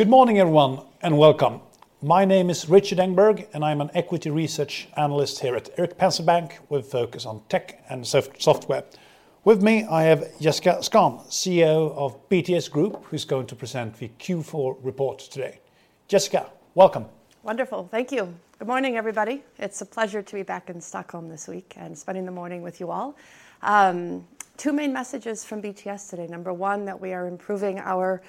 Good morning, everyone, and welcome. My name is Rikard Engberg, and I'm an equity research analyst here at Erik Penser Bank with focus on tech and soft-software. With me, I have Jessica Skon, CEO of BTS Group, who's going to present the Q4 report today. Jessica, welcome. Wonderful. Thank you. Good morning, everybody. It's a pleasure to be back in Stockholm this week and spending the morning with you all. Two main messages from BTS today. Number one, that we are improving our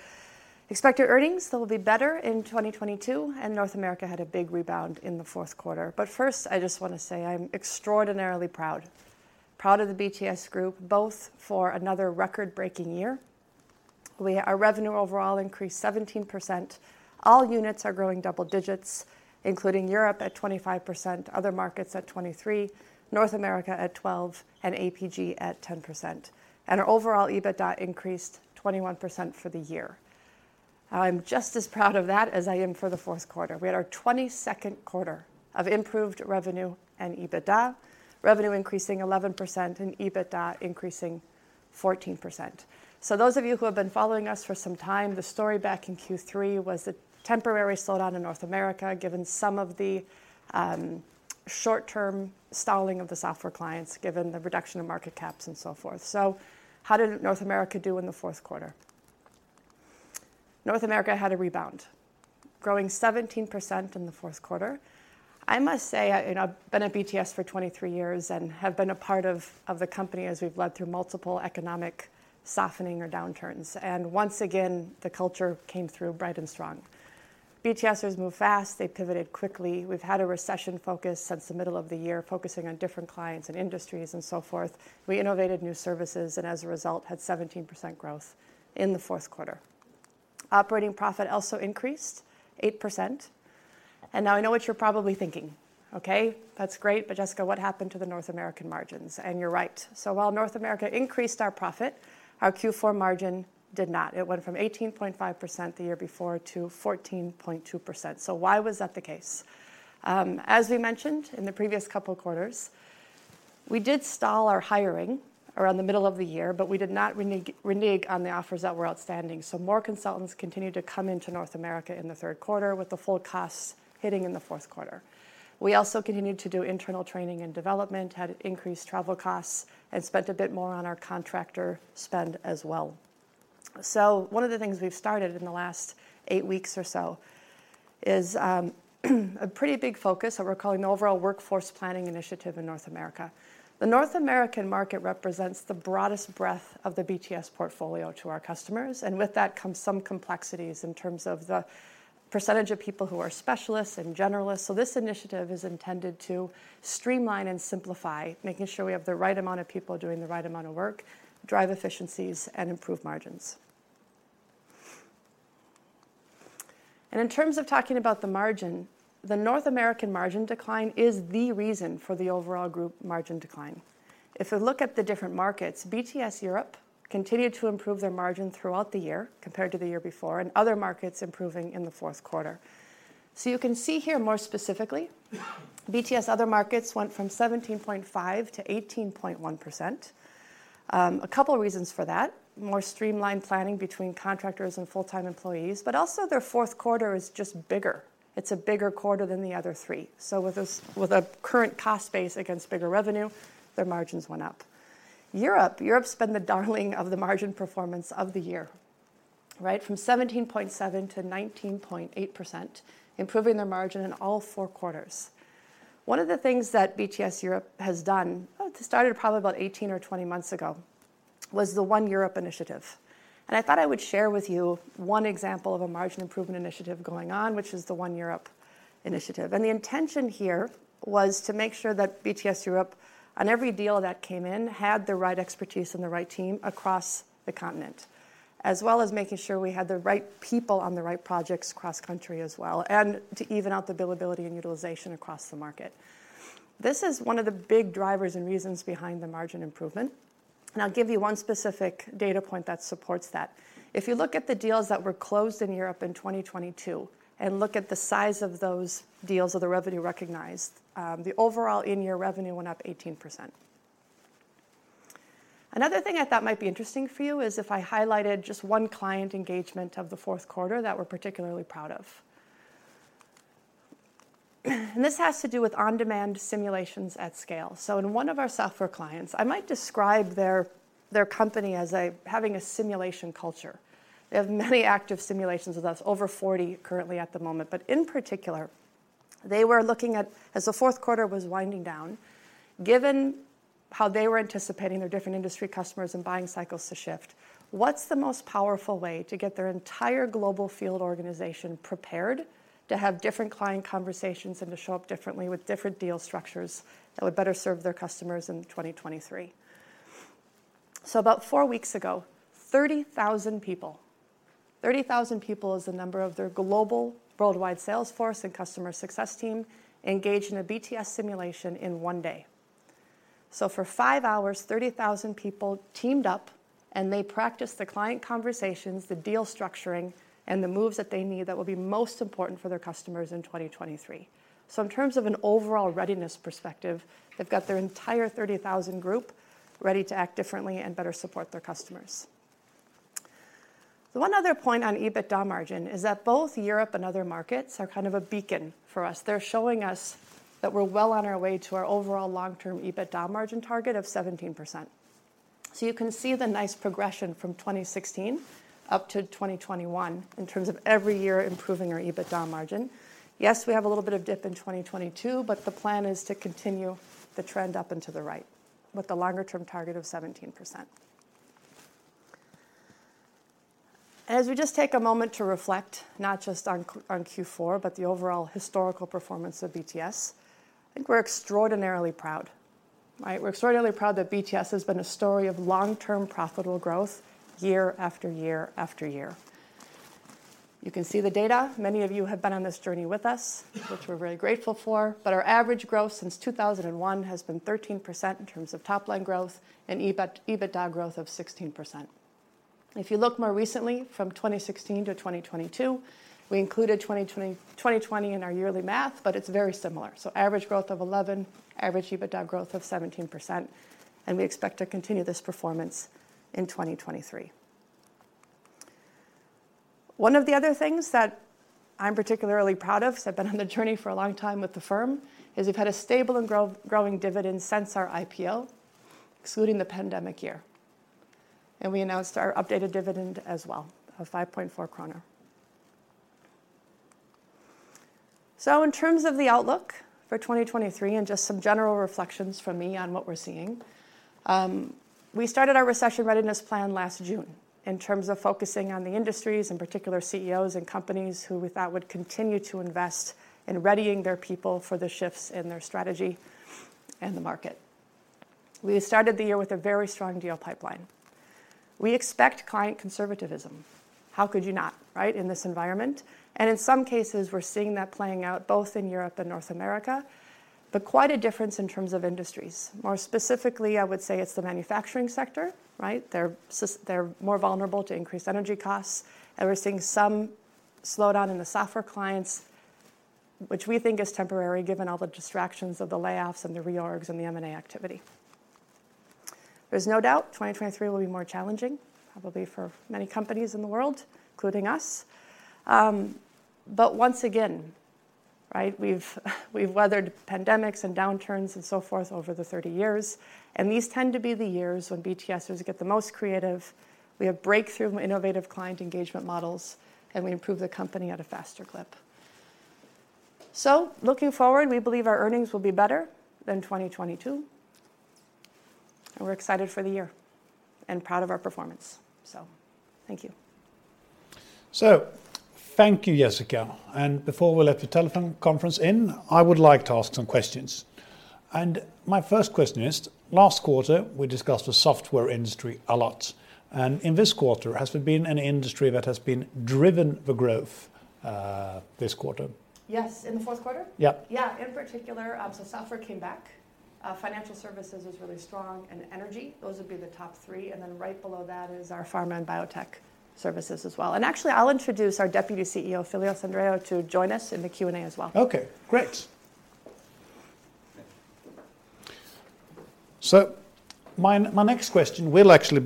expected earnings that will be better in 2022, North America had a big rebound in the fourth quarter. First, I just wanna say I'm extraordinarily proud. Proud of the BTS Group, both for another record-breaking year. Our revenue overall increased 17%. All units are growing double digits, including Europe at 25%, other markets at 23%, North America at 12%, and APG at 10%. Our overall EBITDA increased 21% for the year. I'm just as proud of that as I am for the fourth quarter. We had our 22nd quarter of improved revenue and EBITDA. Revenue increasing 11% and EBITDA increasing 14%. Those of you who have been following us for some time, the story back in Q3 was a temporary slowdown in North America, given some of the short-term stalling of the software clients, given the reduction of market caps and so forth. How did North America do in the fourth quarter? North America had a rebound, growing 17% in the fourth quarter. I must say I, you know, I've been at BTS for 23 years and have been a part of the company as we've led through multiple economic softening or downturns, and once again, the culture came through bright and strong. BTSers move fast. They pivoted quickly. We've had a recession focus since the middle of the year, focusing on different clients and industries and so forth. We innovated new services, and as a result, had 17% growth in the fourth quarter. Operating profit increased 8%. Now I know what you're probably thinking. "Okay, that's great, but Jessica Skon, what happened to the North American margins?" You're right. While North America increased our profit, our Q4 margin did not. It went from 18.5% the year before to 14.2%. Why was that the case? As we mentioned in the previous couple of quarters, we did stall our hiring around the middle of the year, but we did not renege on the offers that were outstanding. More consultants continued to come into North America in the third quarter, with the full costs hitting in the fourth quarter. We also continued to do internal training and development, had increased travel costs, and spent a bit more on our contractor spend as well. One of the things we've started in the last eight weeks or so is a pretty big focus that we're calling the overall workforce planning initiative in North America. The North American market represents the broadest breadth of the BTS portfolio to our customers, and with that comes some complexities in terms of the percentage of people who are specialists and generalists. This initiative is intended to streamline and simplify, making sure we have the right amount of people doing the right amount of work, drive efficiencies, and improve margins. In terms of talking about the margin, the North American margin decline is the reason for the overall group margin decline. If you look at the different markets, BTS Europe continued to improve their margin throughout the year compared to the year before, and other markets improving in the fourth quarter. You can see here more specifically, BTS other markets went from 17.5 to 18.1%. A couple of reasons for that. More streamlined planning between contractors and full-time employees, but also their fourth quarter is just bigger. It's a bigger quarter than the other three. With a current cost base against bigger revenue, their margins went up. BTS Europe's been the darling of the margin performance of the year, right? From 17.7 to 19.8%, improving their margin in all four quarters. One of the things that BTS Europe has done, this started probably about 18 or 20 months ago, was the One Europe initiative. I thought I would share with you one example of a margin improvement initiative going on, which is the One Europe initiative. The intention here was to make sure that BTS Europe, on every deal that came in, had the right expertise and the right team across the continent, as well as making sure we had the right people on the right projects cross-country as well, and to even out the billability and utilization across the market. This is one of the big drivers and reasons behind the margin improvement. I'll give you one specific data point that supports that. If you look at the deals that were closed in Europe in 2022 and look at the size of those deals or the revenue recognized, the overall in-year revenue went up 18%. Another thing I thought might be interesting for you is if I highlighted just one client engagement of the fourth quarter that we're particularly proud of. This has to do with on-demand simulations at scale. In one of our software clients, I might describe their company as a simulation culture. They have many active simulations with us, over 40 currently at the moment. In particular, they were looking at, as the fourth quarter was winding down, given how they were anticipating their different industry customers and buying cycles to shift, what's the most powerful way to get their entire global field organization prepared to have different client conversations and to show up differently with different deal structures that would better serve their customers in 2023? About four weeks ago, 30,000 people is the number of their global worldwide sales force and customer success team engaged in a BTS simulation in one day. For five hours, 30,000 people teamed up, and they practiced the client conversations, the deal structuring, and the moves that they need that will be most important for their customers in 2023. In terms of an overall readiness perspective, they've got their entire 30,000 group ready to act differently and better support their customers. One other point on EBITDA margin is that both Europe and other markets are kind of a beacon for us. They're showing us that we're well on our way to our overall long-term EBITDA margin target of 17%. You can see the nice progression from 2016 up to 2021 in terms of every year improving our EBITDA margin. Yes, we have a little bit of dip in 2022, the plan is to continue the trend up and to the right with the longer-term target of 17%. As we just take a moment to reflect, not just on Q4, but the overall historical performance of BTS, I think we're extraordinarily proud. Right? We're extraordinarily proud that BTS has been a story of long-term profitable growth year after year after year. You can see the data. Many of you have been on this journey with us, which we're very grateful for. Our average growth since 2001 has been 13% in terms of top line growth and EBITDA growth of 16%. If you look more recently from 2016 to 2022, we included 2020 in our yearly math, but it's very similar. Average growth of 11, average EBITDA growth of 17%, and we expect to continue this performance in 2023. One of the other things that I'm particularly proud of, as I've been on the journey for a long time with the firm, is we've had a stable and growing dividend since our IPO, excluding the pandemic year. We announced our updated dividend as well of 5.4 kronor. In terms of the outlook for 2023 and just some general reflections from me on what we're seeing, we started our recession readiness plan last June in terms of focusing on the industries, in particular CEOs and companies who we thought would continue to invest in readying their people for the shifts in their strategy and the market. We started the year with a very strong deal pipeline. We expect client conservativism. How could you not, right, in this environment? In some cases, we're seeing that playing out both in Europe and North America, but quite a difference in terms of industries. More specifically, I would say it's the manufacturing sector, right? They're more vulnerable to increased energy costs, and we're seeing some slowdown in the software clients, which we think is temporary given all the distractions of the layoffs and the reorgs and the M&A activity. There's no doubt 2023 will be more challenging probably for many companies in the world, including us. Once again, right, we've weathered pandemics and downturns and so forth over the 30 years, and these tend to be the years when BTSers get the most creative. We have breakthrough innovative client engagement models, and we improve the company at a faster clip. Looking forward, we believe our earnings will be better than 2022, and we're excited for the year and proud of our performance. Thank you. Thank you, Jessica. Before we let the telephone conference in, I would like to ask some questions. My first question is, last quarter, we discussed the software industry a lot. In this quarter, has there been any industry that has been driven for growth this quarter? Yes. In the fourth quarter? Yep. Yeah. In particular, software came back, financial services was really strong and energy. Those would be the top three. Right below that is our pharma and biotech services as well. I'll introduce our Deputy CEO, Philios Andreou, to join us in the Q&A as well. Okay, great. My next question will actually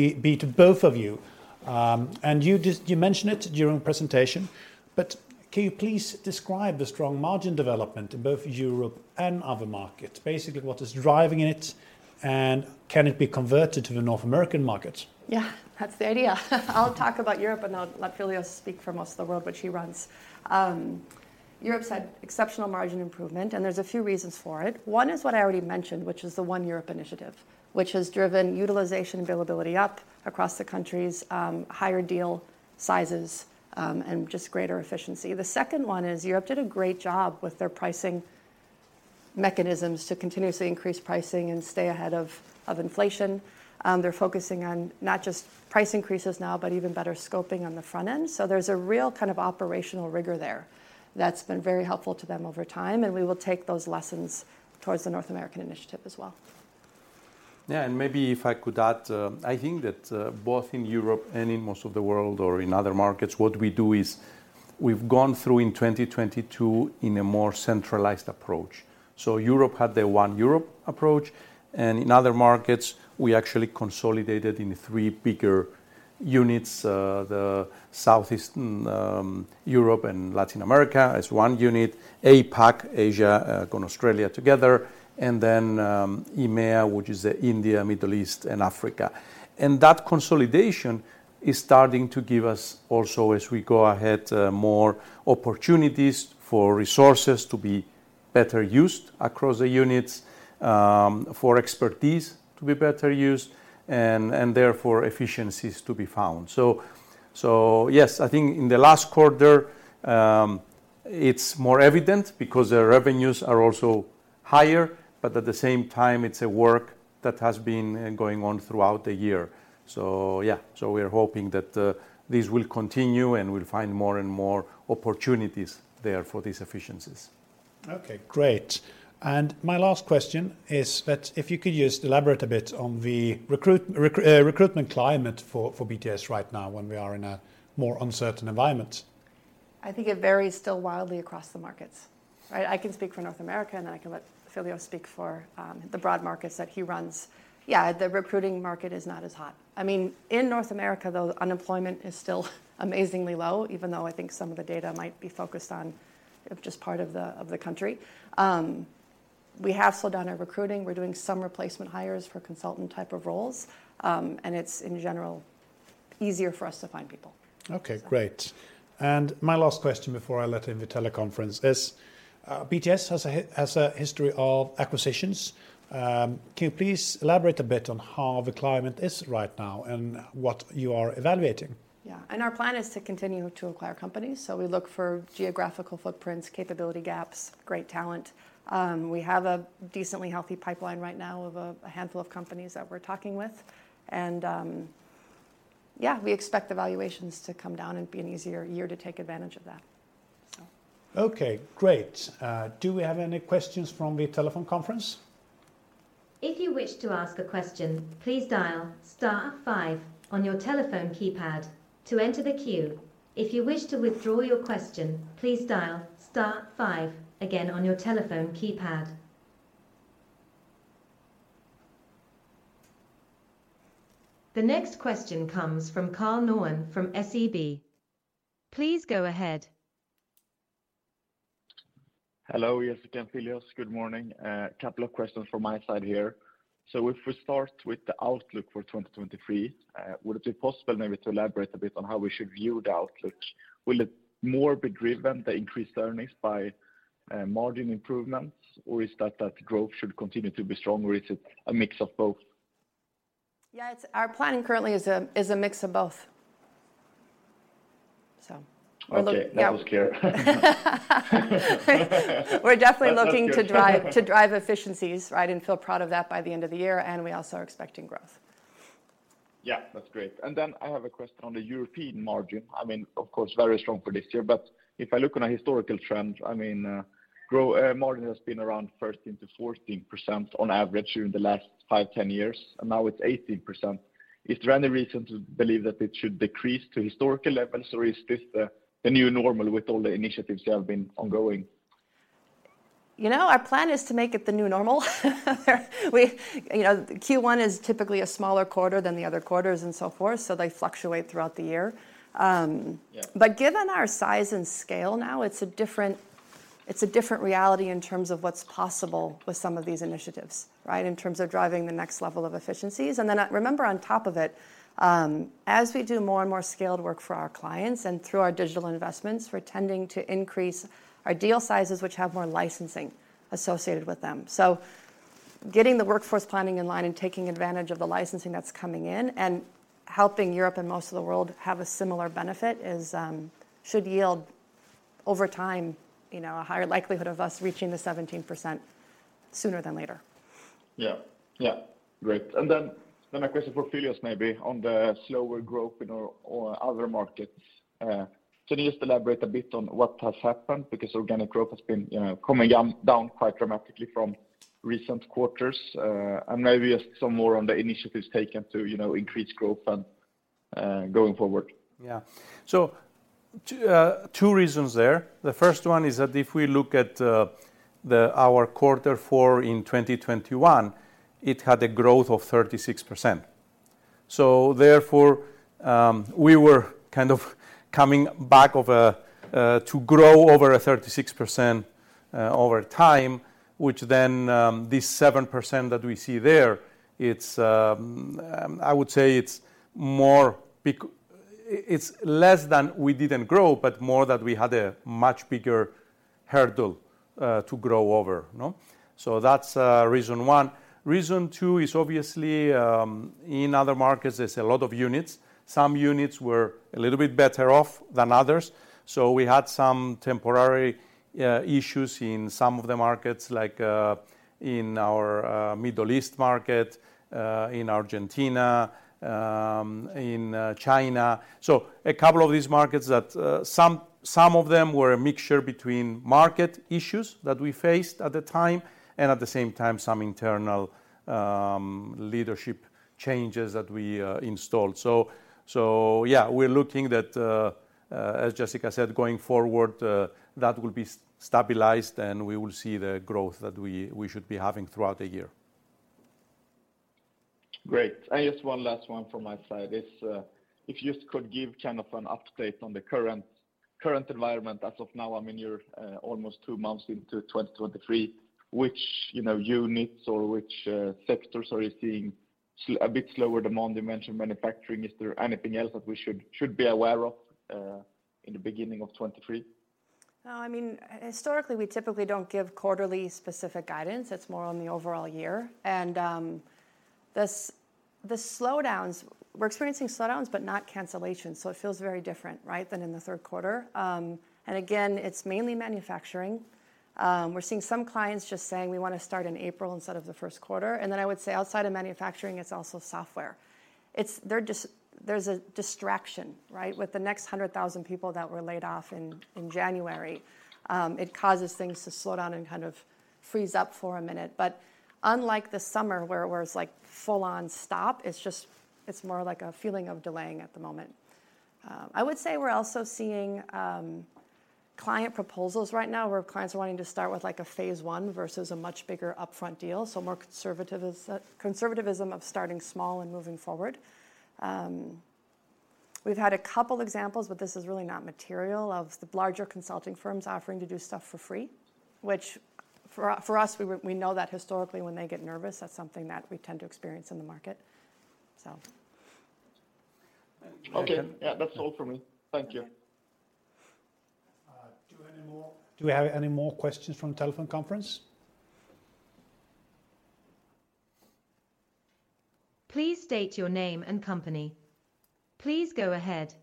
be to both of you. You mentioned it during presentation, but can you please describe the strong margin development in both Europe and other markets? Basically, what is driving it, and can it be converted to the North American market? That's the idea. I'll talk about BTS Europe, and I'll let Philios speak for most of the world, which he runs. BTS Europe's had exceptional margin improvement, and there's a few reasons for it. One is what I already mentioned, which is the One Europe initiative, which has driven utilization availability up across the countries, higher deal sizes, and just greater efficiency. The second one is BTS Europe did a great job with their pricing mechanisms to continuously increase pricing and stay ahead of inflation. They're focusing on not just price increases now, but even better scoping on the front end. There's a real kind of operational rigor there that's been very helpful to them over time, and we will take those lessons towards the North American initiative as well. Yeah. Maybe if I could add, I think that, both in Europe and in most of the world or in other markets, what we do is we've gone through in 2022 in a more centralized approach. Europe had the One Europe approach, and in other markets, we actually consolidated in three bigger units. The Southeast, Europe and Latin America as one unit, APAC, Asia, and Australia together, and then, EMEA, which is the India, Middle East, and Africa. That consolidation is starting to give us also, as we go ahead, more opportunities for resources to be better used across the units, for expertise to be better used and therefore efficiencies to be found. Yes, I think in the last quarter, it's more evident because the revenues are also higher. At the same time, it's a work that has been going on throughout the year. Yeah. We're hoping that this will continue, and we'll find more and more opportunities there for these efficiencies. Okay, great. My last question is that if you could just elaborate a bit on the recruitment climate for BTS right now when we are in a more uncertain environment? I think it varies still wildly across the markets, right? I can speak for North America, and then I can let Philios speak for the broad markets that he runs. Yeah, the recruiting market is not as hot. I mean, in North America, though, unemployment is still amazingly low, even though I think some of the data might be focused on just part of the, of the country. We have slowed down our recruiting. We're doing some replacement hires for consultant type of roles. It's in general easier for us to find people. Okay, great. My last question before I let in the teleconference is, BTS has a history of acquisitions. Can you please elaborate a bit on how the climate is right now and what you are evaluating? Yeah. Our plan is to continue to acquire companies. We look for geographical footprints, capability gaps, great talent. We have a decently healthy pipeline right now of a handful of companies that we're talking with. Yeah, we expect the valuations to come down and be an easier year to take advantage of that. Okay, great. Do we have any questions from the telephone conference? If you wish to ask a question, please dial star five on your telephone keypad to enter the queue. If you wish to withdraw your question, please dial star five again on your telephone keypad. The next question comes from Karl Norén from SEB. Please go ahead. Hello, Jessica and Philios. Good morning. A couple of questions from my side here. If we start with the outlook for 2023, would it be possible maybe to elaborate a bit on how we should view the outlook? Will it more be driven, the increased earnings, by margin improvements, or is that growth should continue to be strong, or is it a mix of both? Yeah. Our plan currently is a mix of both. Okay. Yeah. That was clear. We're definitely looking to drive- That's good. To drive efficiencies, right, and feel proud of that by the end of the year. We also are expecting growth. Yeah, that's great. Then I have a question on the European margin. I mean, of course, very strong for this year. If I look on a historical trend, I mean, margin has been around 13%-14% on average during the last five, 10 years, and now it's 18%. Is there any reason to believe that it should decrease to historical levels, or is this the new normal with all the initiatives that have been ongoing? You know, our plan is to make it the new normal. You know, Q1 is typically a smaller quarter than the other quarters and so forth, so they fluctuate throughout the year. Yeah. Given our size and scale now, it's a different, it's a different reality in terms of what's possible with some of these initiatives, right? In terms of driving the next level of efficiencies. Remember on top of it, as we do more and more scaled work for our clients and through our digital investments, we're tending to increase our deal sizes, which have more licensing associated with them. Getting the workforce planning in line and taking advantage of the licensing that's coming in and helping Europe and most of the world have a similar benefit is, should yield over time, you know, a higher likelihood of us reaching the 17% sooner than later. Yeah. Great. Then a question for Philios maybe on the slower growth in or other markets. Can you just elaborate a bit on what has happened? Because organic growth has been coming down quite dramatically from recent quarters. Maybe just some more on the initiatives taken to, you know, increase growth and going forward. Yeah. Two reasons there. The first one is that if we look at our Q4 in 2021, it had a growth of 36%. Therefore, we were kind of coming back of a to grow over a 36% over time, which then, this 7% that we see there, it's I would say it's less than we didn't grow, but more that we had a much bigger hurdle to grow over, no? That's reason one. Reason two is obviously, in other markets, there's a lot of units. Some units were a little bit better off than others. We had some temporary issues in some of the markets like in our Middle East market, in Argentina, in China. A couple of these markets that some of them were a mixture between market issues that we faced at the time, and at the same time, some internal leadership changes that we installed. Yeah, we're looking that as Jessica said, going forward, that will be stabilized, and we will see the growth that we should be having throughout the year. Great. Just one last one from my side is, if you just could give kind of an update on the current environment as of now. I mean, you're almost two months into 2023. Which, you know, units or which sectors are you seeing a bit slower demand? You mentioned manufacturing. Is there anything else that we should be aware of in the beginning of 2023? No. I mean, historically, we typically don't give quarterly specific guidance. It's more on the overall year. We're experiencing slowdowns but not cancellations, so it feels very different, right, than in the third quarter. Again, it's mainly manufacturing. We're seeing some clients just saying, "We wanna start in April instead of the first quarter." I would say outside of manufacturing, it's also software. There's a distraction, right? With the next 100,000 people that were laid off in January, it causes things to slow down and kind of freeze up for a minute. Unlike the summer where it was like full on stop, it's more like a feeling of delaying at the moment. I would say we're also seeing client proposals right now where clients are wanting to start with like a phase one versus a much bigger upfront deal. More conservatism of starting small and moving forward. We've had a couple examples, but this is really not material, of the larger consulting firms offering to do stuff for free, which for us, we know that historically when they get nervous, that's something that we tend to experience in the market. Okay. Yeah, that's all for me. Thank you. Do we have any more questions from telephone conference? Please state your name and company. Please go ahead.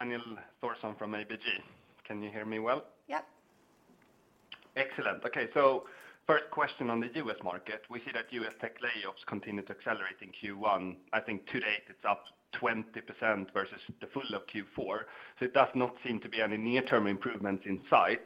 Daniel Thorsson from ABG. Can you hear me well? Yep. Excellent. Okay. First question on the U.S. Market. We see that US tech layoffs continued to accelerate in Q1. I think to date it's up 20% versus the full of Q4. It does not seem to be any near-term improvements in sight.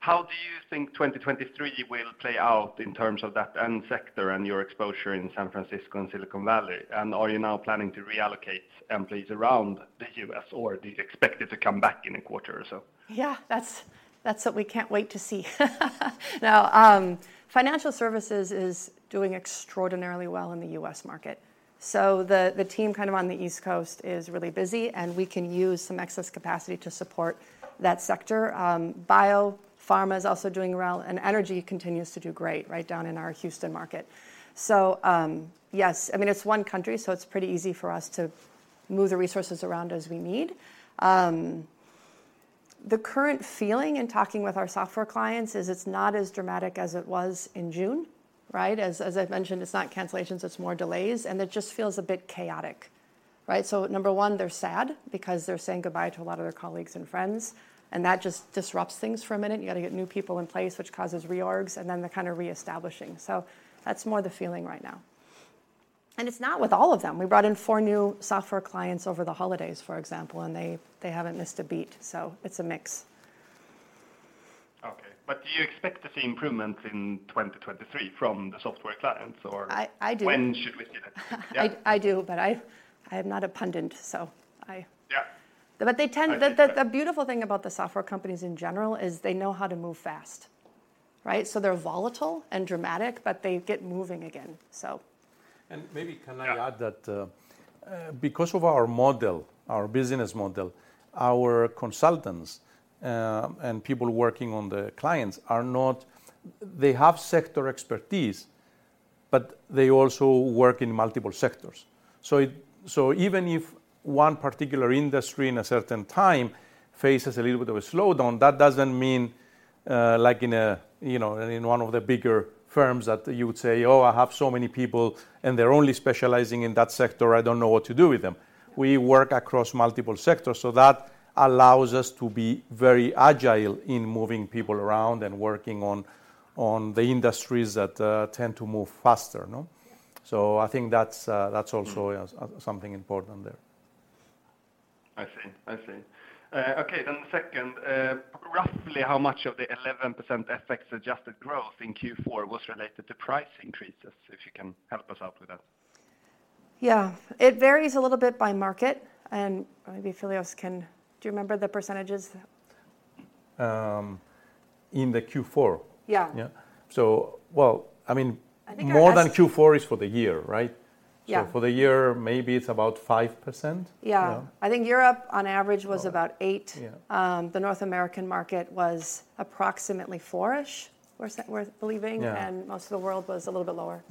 How do you think 2023 will play out in terms of that end sector and your exposure in San Francisco and Silicon Valley? Are you now planning to reallocate employees around the U.S. or do you expect it to come back in a quarter or so? Yeah, that's what we can't wait to see. Financial services is doing extraordinarily well in the U.S. market. The, the team kind of on the East Coast is really busy, and we can use some excess capacity to support that sector. Biopharma is also doing well, and energy continues to do great right down in our Houston market. Yes. I mean, it's one country, so it's pretty easy for us to move the resources around as we need. The current feeling in talking with our software clients is it's not as dramatic as it was in June, right? As I've mentioned, it's not cancellations, it's more delays, and it just feels a bit chaotic, right? Number one, they're sad because they're saying goodbye to a lot of their colleagues and friends, and that just disrupts things for a minute. You gotta get new people in place, which causes reorgs, and then the kind of reestablishing. That's more the feeling right now. It's not with all of them. We brought in four new software clients over the holidays, for example, and they haven't missed a beat. It's a mix. Okay. Do you expect to see improvement in 2023 from the software clients or- I do. when should we see that? Yeah. I do, but I'm not a pundit. Yeah. They tend... I see. The beautiful thing about the software companies in general is they know how to move fast, right? They're volatile and dramatic, but they get moving again. Maybe can I add that, because of our model, our business model, our consultants, and people working on the clients they have sector expertise, but they also work in multiple sectors. Even if one particular industry in a certain time faces a little bit of a slowdown, that doesn't mean, like in a, you know, in one of the bigger firms that you would say, "Oh, I have so many people, and they're only specializing in that sector, I don't know what to do with them." We work across multiple sectors, so that allows us to be very agile in moving people around and working on the industries that tend to move faster, no? I think that's also something important there. I see. I see. Okay, second, roughly how much of the 11% FX-adjusted growth in Q4 was related to price increases, if you can help us out with that? Yeah. It varies a little bit by market, and maybe Philios can... Do you remember the percentages? In the Q4? Yeah. Yeah. well, I mean- I think.... more than Q4 is for the year, right? Yeah. For the year, maybe it's about 5%. Yeah. Yeah. I think Europe on average was about 8%. Yeah. The North American market was approximately four-ish or so worth believing. Yeah. Most of the world was a little bit lower.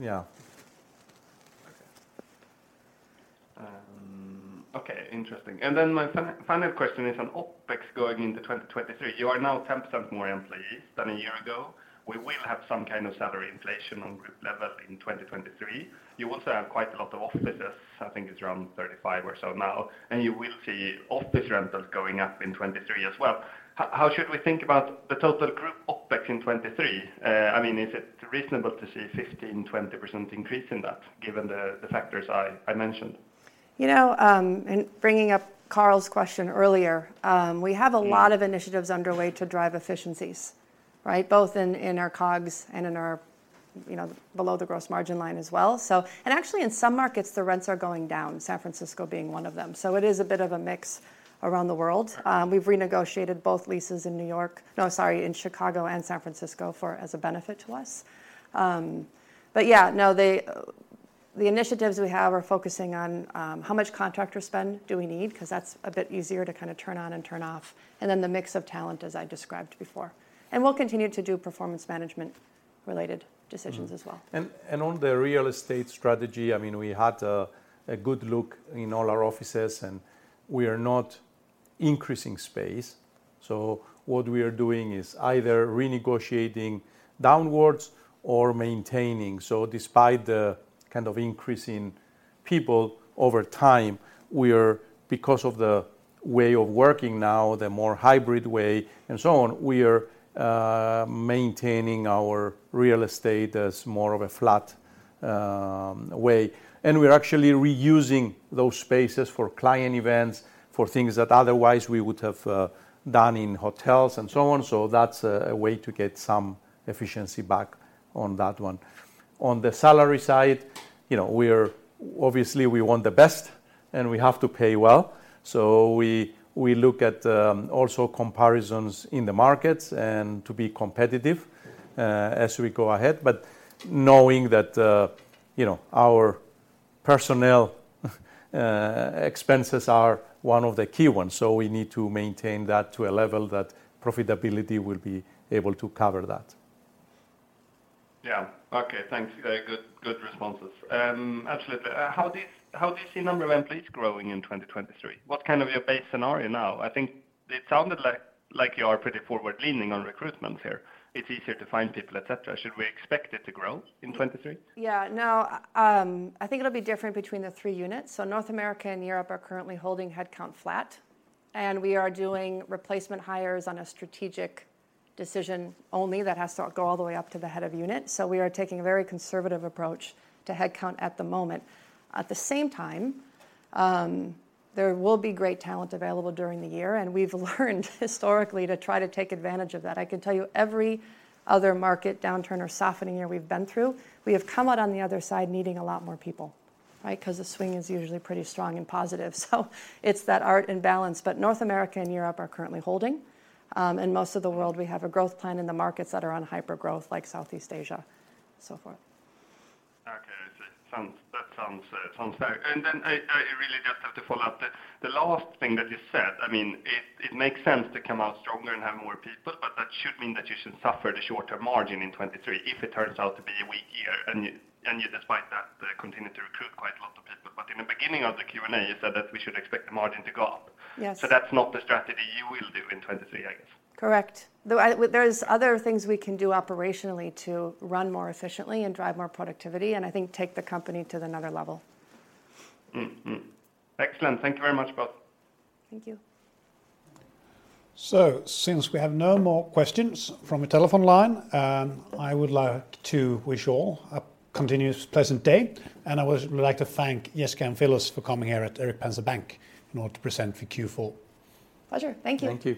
Yeah. Okay. Okay, interesting. My final question is on OpEx going into 2023. You are now 10% more employees than a year ago, where we have some kind of salary inflation on group level in 2023. You also have quite a lot of offices, I think it's around 35 or so now, You will see office rentals going up in 2023 as well. How should we think about the total group OpEx in 2023? I mean, is it reasonable to see 15%-20% increase in that given the factors I mentioned? You know, bringing up Karl's question earlier, we have a lot of initiatives underway to drive efficiencies, right? Both in our COGS and in our, you know, below the gross margin line as well. Actually, in some markets, the rents are going down, San Francisco being one of them. We've renegotiated both leases in Chicago and San Francisco for as a benefit to us. Yeah, no, the initiatives we have are focusing on how much contractor spend do we need, 'cause that's a bit easier to kinda turn on and turn off, and then the mix of talent as I described before. We'll continue to do performance management related decisions as well. Mm-hmm. On the real estate strategy, I mean, we had a good look in all our offices. We are not increasing space. What we are doing is either renegotiating downwards or maintaining. Despite the kind of increase in people over time, we are, because of the way of working now, the more hybrid way and so on, we are maintaining our real estate as more of a flat way. We're actually reusing those spaces for client events, for things that otherwise we would have done in hotels and so on. That's a way to get some efficiency back on that one. On the salary side, you know, obviously, we want the best, and we have to pay well, so we look at also comparisons in the markets and to be competitive as we go ahead. Knowing that, you know, our personnel expenses are one of the key ones, so we need to maintain that to a level that profitability will be able to cover that. Yeah. Okay. Thanks. Good responses. Actually, how do you see number of employees growing in 2023? What kind of your base scenario now? I think it sounded like you are pretty forward leaning on recruitment here. It's easier to find people, et cetera. Should we expect it to grow in 2023? Yeah. No. I think it'll be different between the three units. North America and Europe are currently holding headcount flat, and we are doing replacement hires on a strategic decision only that has to go all the way up to the head of unit. We are taking a very conservative approach to headcount at the moment. At the same time, there will be great talent available during the year, and we've learned historically to try to take advantage of that. I can tell you every other market downturn or softening year we've been through, we have come out on the other side needing a lot more people, right? Because the swing is usually pretty strong and positive. It's that art and balance. North America and Europe are currently holding. Most of the world we have a growth plan in the markets that are on hyper-growth, like Southeast Asia, so forth. Okay. I see. Sounds. That sounds fair. Then I really just have to follow up. The, the last thing that you said, I mean, it makes sense to come out stronger and have more people, but that should mean that you should suffer the shorter margin in 23 if it turns out to be a weak year, and you despite that, continue to recruit quite a lot of people. In the beginning of the Q&A, you said that we should expect the margin to go up. Yes. That's not the strategy you will do in 2023, I guess. Correct. There's other things we can do operationally to run more efficiently and drive more productivity and I think take the company to another level. Mm-hmm. Excellent. Thank you very much, both. Thank you. Since we have no more questions from the telephone line, I would like to wish you all a continuous pleasant day. I would like to thank Jessica and Philios for coming here at Erik Penser Bank in order to present for Q4. Pleasure. Thank you. Thank you.